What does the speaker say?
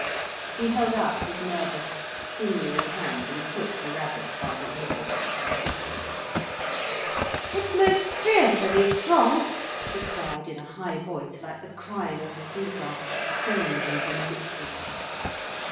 He held out his nervous, sinewy hand and took the rabbit by the ears, from Gudrun. "It's most fearfully strong," she cried, in a high voice, like the crying a seagull, strange and vindictive.